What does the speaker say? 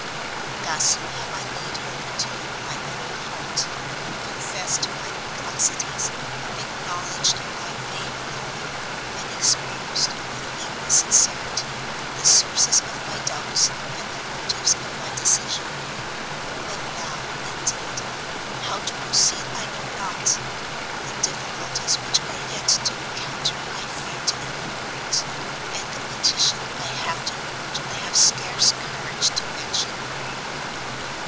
Thus have I laid open to you my whole heart, confessed my perplexities, acknowledged my vain glory, and exposed with equal sincerity the sources of my doubts, and the motives of my decision; but now, indeed, how to proceed I know not; the difficulties which are yet to encounter I fear to enumerate, and the petition I have to urge I have scarce courage to mention.